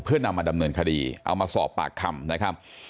เพื่อนำมาดำเนินคดีเอามาสอบปากคำนะครับ